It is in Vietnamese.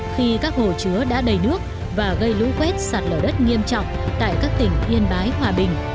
khi các hồ chứa đã đầy nước và gây lũ quét sạt lở đất nghiêm trọng tại các tỉnh yên bái hòa bình